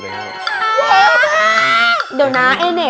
เดี๋ยวนะไอเหนะ